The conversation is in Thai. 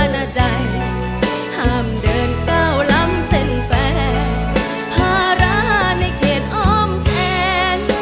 ห้ามเดินก้าวลำเต้นแฟนภาระในเขตอ้อมแทน